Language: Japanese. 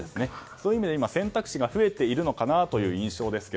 そういう意味では、選択肢が増えているのかなという印象です。